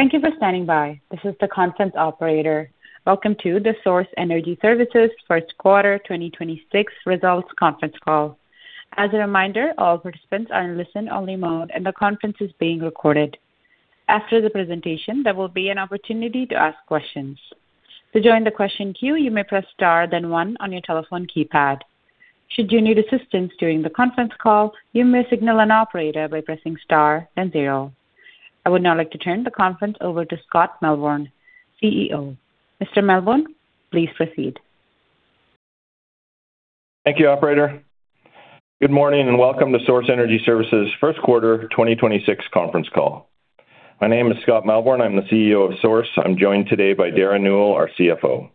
Thank you for standing by. This is the conference operator. Welcome to the Source Energy Services first quarter 2026 results conference call. As a reminder, all participants are in listen-only mode, and the conference is being recorded. After the presentation, there will be an opportunity to ask questions. To join the question queue, you may press star then one on your telephone keypad. Should you need assistance during the conference call, you may signal an operator by pressing star and zero. I would now like to turn the conference over to Scott Melbourn, CEO. Mr. Melbourn, please proceed. Thank you, operator. Good morning, and welcome to Source Energy Services first quarter 2026 conference call. My name is Scott Melbourn. I'm the CEO of Source. I'm joined today by Derren Newell, our CFO.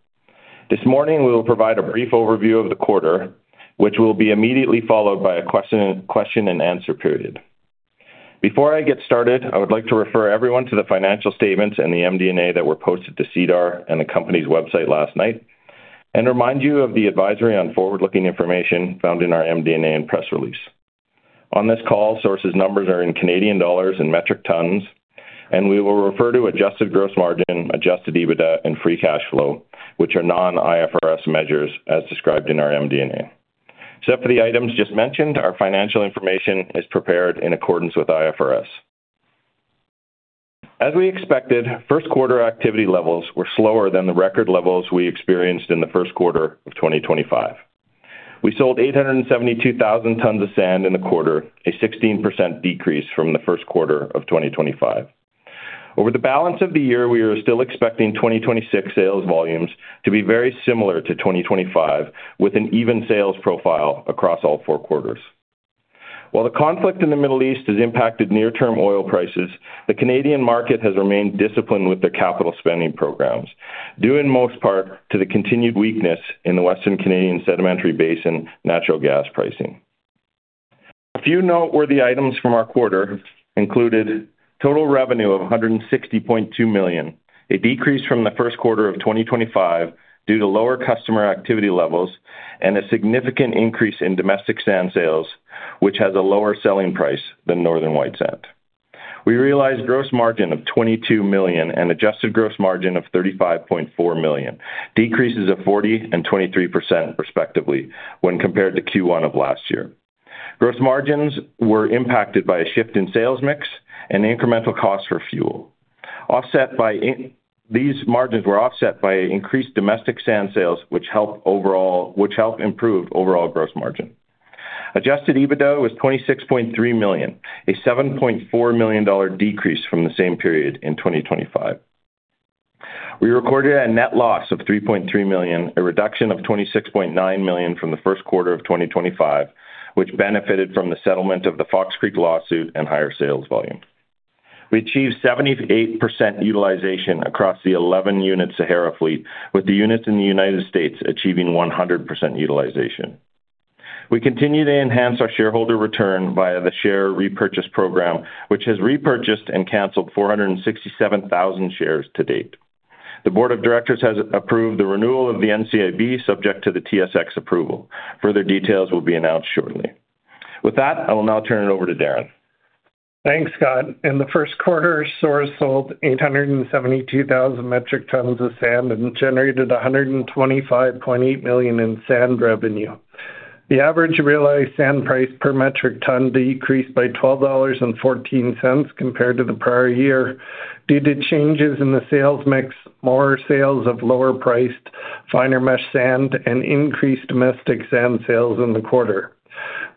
This morning, we will provide a brief overview of the quarter, which will be immediately followed by a question and answer period. Before I get started, I would like to refer everyone to the financial statements and the MD&A that were posted to SEDAR and the company's website last night and remind you of the advisory on forward-looking information found in our MD&A and press release. On this call, Source's numbers are in Canadian dollars and metric tons, and we will refer to adjusted gross margin, adjusted EBITDA, and free cash flow, which are non-IFRS measures as described in our MD&A. Except for the items just mentioned, our financial information is prepared in accordance with IFRS. As we expected, first quarter activity levels were slower than the record levels we experienced in the first quarter of 2025. We sold 872,000 tons of sand in the quarter, a 16% decrease from the first quarter of 2025. Over the balance of the year, we are still expecting 2026 sales volumes to be very similar to 2025, with an even sales profile across all four quarters. While the conflict in the Middle East has impacted near-term oil prices, the Canadian market has remained disciplined with their capital spending programs, due in most part to the continued weakness in the Western Canadian Sedimentary Basin natural gas pricing. A few noteworthy items from our quarter included total revenue of 160.2 million, a decrease from the first quarter of 2025 due to lower customer activity levels and a significant increase in domestic sand sales, which has a lower selling price than Northern White sand. We realized gross margin of 22 million and adjusted gross margin of 35.4 million, decreases of 40% and 23% respectively when compared to Q1 of last year. Gross margins were impacted by a shift in sales mix and incremental costs for fuel. These margins were offset by increased domestic sand sales, which helped improve overall gross margin. Adjusted EBITDA was 26.3 million, a 7.4 million dollar decrease from the same period in 2025. We recorded a net loss of 3.3 million, a reduction of 26.9 million from the first quarter of 2025, which benefited from the settlement of the Fox Creek lawsuit and higher sales volume. We achieved 78% utilization across the 11-unit Sahara fleet, with the units in the U.S. achieving 100% utilization. We continue to enhance our shareholder return via the share repurchase program, which has repurchased and canceled 467,000 shares to date. The board of directors has approved the renewal of the NCIB subject to the TSX approval. Further details will be announced shortly. With that, I will now turn it over to Derren. Thanks, Scott. In the first quarter, Source sold 872,000 metric tons of sand and generated 125.8 million in sand revenue. The average realized sand price per metric ton decreased by 12.14 dollars compared to the prior year due to changes in the sales mix, more sales of lower-priced finer mesh sand, and increased domestic sand sales in the quarter.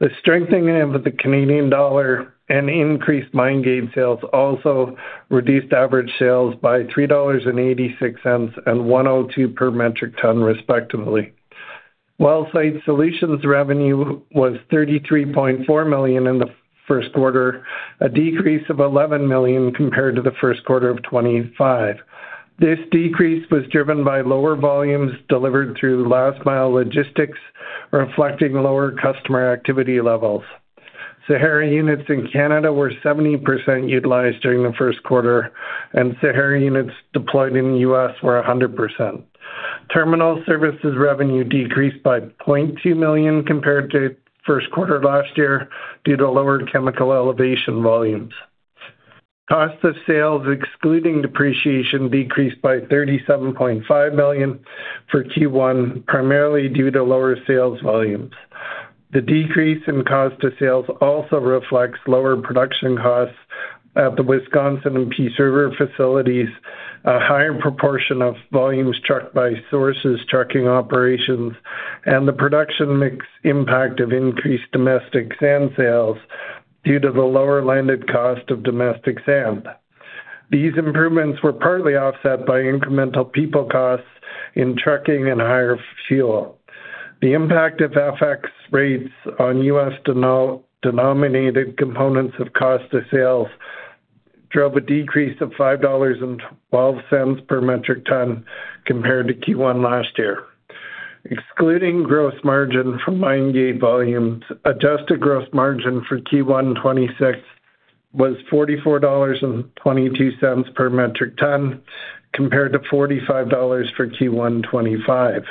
The strengthening of the Canadian dollar and increased mine gate sales also reduced average sales by 3.86 dollars and 1.02 per metric ton, respectively. Well site solutions revenue was 33.4 million in the first quarter, a decrease of 11 million compared to the first quarter of 2025. This decrease was driven by lower volumes delivered through last mile logistics, reflecting lower customer activity levels. Sahara units in Canada were 70% utilized during the first quarter, and Sahara units deployed in the U.S. were 100%. Terminal services revenue decreased by 0.2 million compared to first quarter last year due to lower chemical transloading volumes. Cost of sales, excluding depreciation, decreased by 37.5 million for Q1, primarily due to lower sales volumes. The decrease in cost of sales also reflects lower production costs at the Wisconsin and Peace River facilities, a higher proportion of volumes trucked by Source's trucking operations, and the production mix impact of increased domestic sand sales due to the lower landed cost of domestic sand. These improvements were partly offset by incremental people costs in trucking and higher fuel. The impact of FX rates on U.S. denominated components of cost of sales drove a decrease of 5.12 dollars per metric ton compared to Q1 last year. Excluding gross margin from mine gate volumes, adjusted gross margin for Q1 2026 was 44.22 dollars per metric ton, compared to 45.00 dollars for Q1 2025.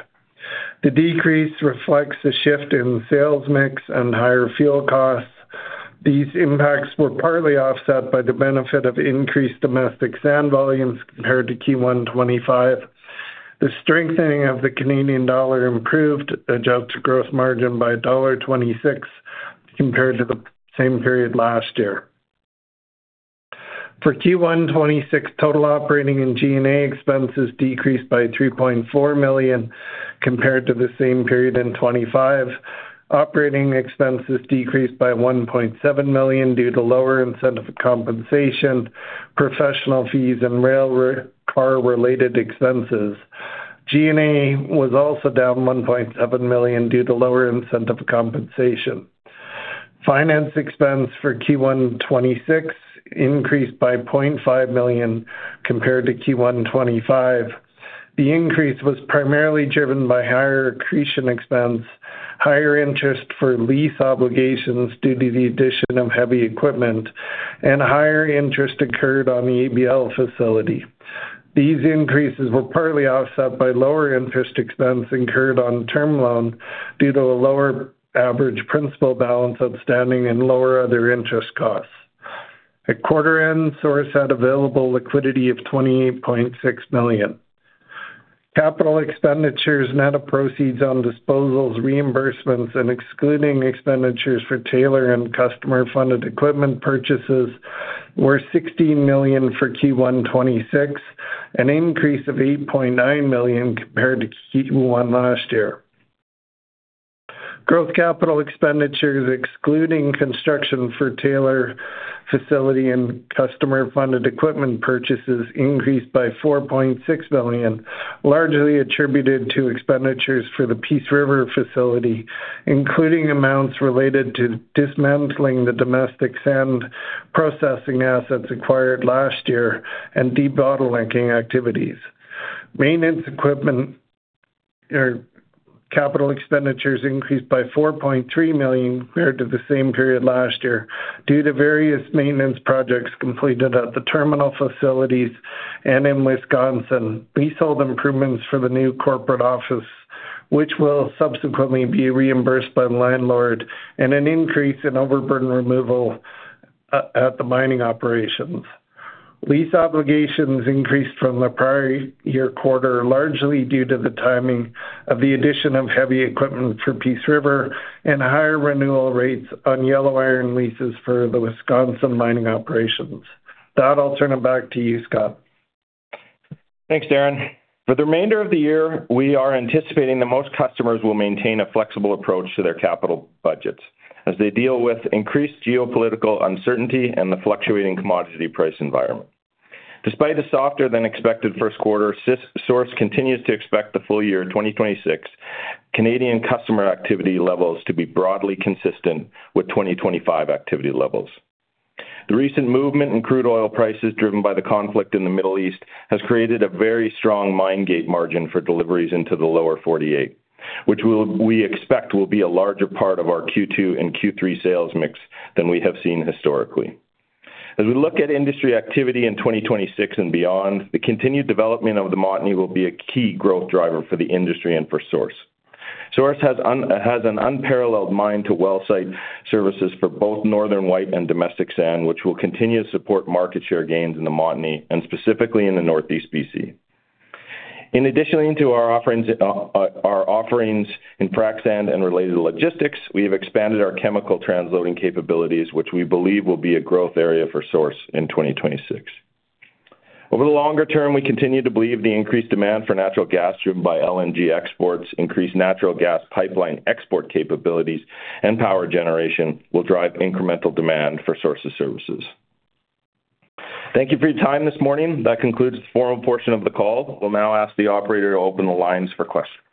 The decrease reflects the shift in sales mix and higher fuel costs. These impacts were partly offset by the benefit of increased domestic sand volumes compared to Q1 2025. The strengthening of the Canadian dollar improved adjusted gross margin by dollar 1.26 compared to the same period last year. For Q1 2026, total operating and G&A expenses decreased by 3.4 million compared to the same period in 2025. Operating expenses decreased by 1.7 million due to lower incentive compensation, professional fees and rail car related expenses. G&A was also down 1.7 million due to lower incentive compensation. Finance expense for Q1 2026 increased by 0.5 million compared to Q1 2025. The increase was primarily driven by higher accretion expense, higher interest for lease obligations due to the addition of heavy equipment and higher interest incurred on the ABL facility. These increases were partly offset by lower interest expense incurred on term loan due to a lower average principal balance outstanding and lower other interest costs. At quarter end, Source had available liquidity of 28.6 million. Capital expenditures, net of proceeds on disposals, reimbursements, and excluding expenditures for Taylor and customer funded equipment purchases were 16 million for Q1 2026, an increase of 8.9 million compared to Q1 last year. Gross capital expenditures, excluding construction for Taylor facility and customer funded equipment purchases, increased by 4.6 million, largely attributed to expenditures for the Peace River facility, including amounts related to dismantling the domestic sand processing assets acquired last year and debottlenecking activities. Maintenance equipment or capital expenditures increased by 4.3 million compared to the same period last year due to various maintenance projects completed at the terminal facilities and in Wisconsin. We sold improvements for the new corporate office, which will subsequently be reimbursed by the landlord and an increase in overburden removal at the mining operations. Lease obligations increased from the prior year quarter, largely due to the timing of the addition of heavy equipment for Peace River and higher renewal rates on yellow iron leases for the Wisconsin mining operations. With that, I'll turn it back to you, Scott. Thanks, Derren. For the remainder of the year, we are anticipating that most customers will maintain a flexible approach to their capital budgets as they deal with increased geopolitical uncertainty and the fluctuating commodity price environment. Despite the softer than expected first quarter, Source continues to expect the full year 2026 Canadian customer activity levels to be broadly consistent with 2025 activity levels. The recent movement in crude oil prices driven by the conflict in the Middle East has created a very strong, mine gate margin for deliveries into the lower 48 states which we expect will be a larger part of our Q2 and Q3 sales mix than we have seen historically. We look at industry activity in 2026 and beyond, the continued development of the Montney will be a key growth driver for the industry and for Source. Source has an unparalleled mine to well site services for both Northern White and domestic sand, which will continue to support market share gains in the Montney and specifically in the Northeast BC. In addition to our offerings in frac sand and related logistics, we have expanded our chemical transloading capabilities, which we believe will be a growth area for Source in 2026. Over the longer term, we continue to believe the increased demand for natural gas driven by LNG exports, increased natural gas pipeline export capabilities and power generation will drive incremental demand for Source's services. Thank you for your time this morning. That concludes the formal portion of the call. We'll now ask the operator to open the lines for questions.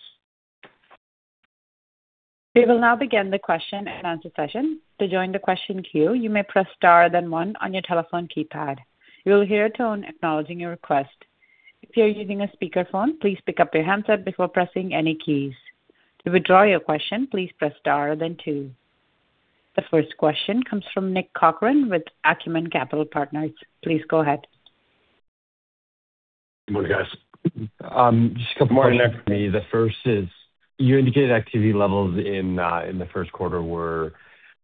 We will now begin the question and answer session. To join the question queue, you may press star, then one on your telephone keypad. You will hear a tone acknowledging your request. If you are using a speakerphone, please pick up your handset before pressing any keys. To withdraw your question, please press star, then two. The first question comes from Nick Corcoran with Acumen Capital Partners. Please go ahead. Good morning, guys. Just a couple questions for me. The first is, you indicated activity levels in the first quarter were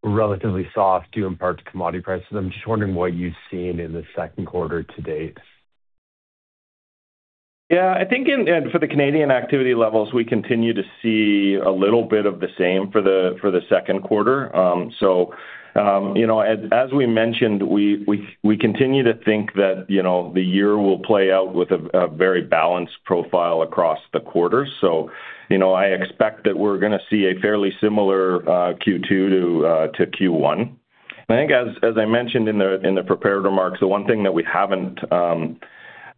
relatively soft due in part to commodity prices. I'm just wondering what you've seen in the second quarter to date. I think in, and for the Canadian activity levels, we continue to see a little bit of the same for the second quarter. You know, as we mentioned, we continue to think that, you know, the year will play out with a very balanced profile across the quarter. You know, I expect that we're gonna see a fairly similar Q2 to Q1. I think as I mentioned in the prepared remarks, the one thing that we haven't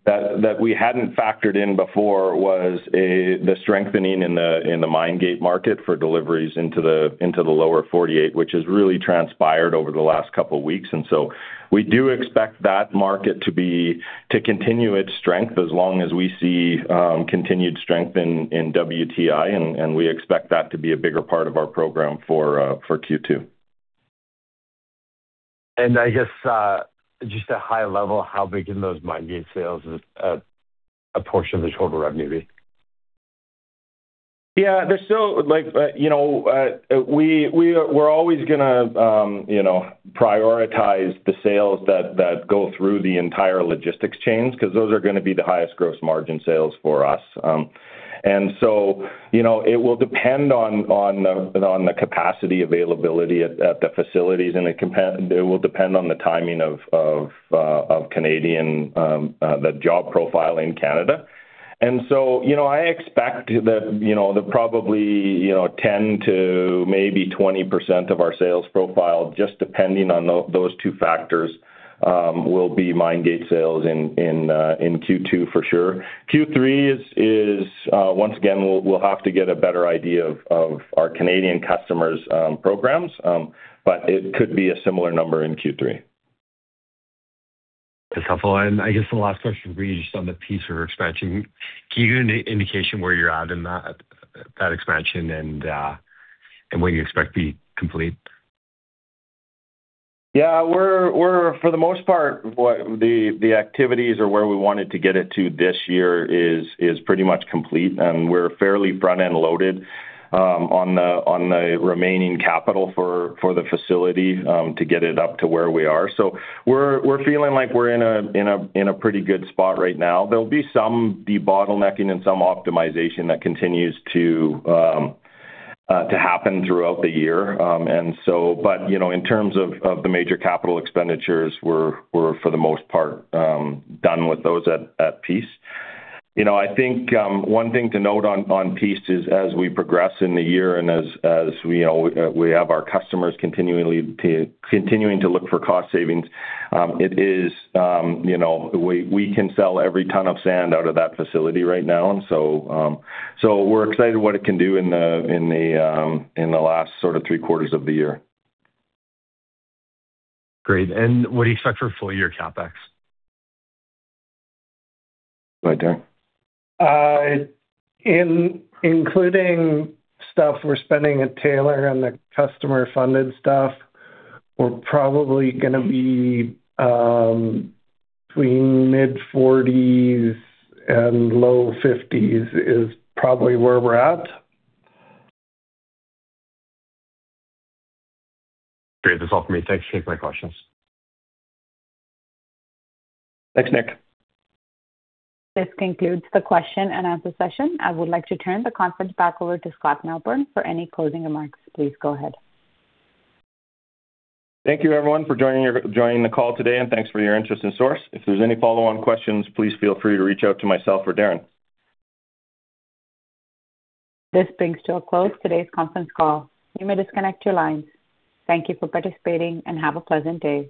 that we hadn't factored in before was the strengthening in the mine gate market for deliveries into the lower 48 states, which has really transpired over the last couple weeks. We do expect that market to continue its strength as long as we see continued strength in WTI and we expect that to be a bigger part of our program for Q2. I guess, just a high level, how big can those mine gate sales as a portion of the total revenue be? Yeah. There's still like, you know, we're always gonna, you know, prioritize the sales that go through the entire logistics chains because those are gonna be the highest gross margin sales for us. You know, it will depend on the capacity availability at the facilities, and it will depend on the timing of Canadian the job profile in Canada. You know, I expect that, you know, the probably, you know, 10%-20% of our sales profile, just depending on those two factors, will be mine gate sales in Q2 for sure. Q3 is once again, we'll have to get a better idea of our Canadian customers' programs, but it could be a similar number in Q3. That's helpful. I guess the last question for you is just on the Peace River expansion. Can you give an indication where you're at in that expansion and when you expect to be complete? Yeah. We're for the most part what the activities or where we wanted to get it to this year is pretty much complete, and we're fairly front-end loaded on the remaining capital for the facility to get it up to where we are. We're feeling like we're in a pretty good spot right now. There'll be some debottlenecking and some optimization that continues to happen throughout the year. You know, in terms of the major capital expenditures, we're for the most part done with those at Peace. You know, I think one thing to note on Peace is as we progress in the year and as we, you know, continuing to look for cost savings, it is, you know, we can sell every ton of sand out of that facility right now. So we're excited what it can do in the last sort of three quarters of the year. Great. What do you expect for full year CapEx? Go ahead, Derren. Including stuff we're spending at Taylor and the customer-funded stuff, we're probably gonna be between mid-40%s and low 50%s is probably where we're at. Great. That's all for me. Thanks. That's my questions. Thanks, Nick. This concludes the question and answer session. I would like to turn the conference back over to Scott Melbourn for any closing remarks. Please go ahead. Thank you everyone for joining the call today. Thanks for your interest in Source. If there's any follow-on questions, please feel free to reach out to myself or Derren. This brings to a close today's conference call. You may disconnect your lines. Thank you for participating, and have a pleasant day.